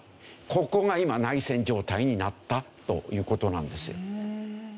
ここが今内戦状態になったという事なんですよ。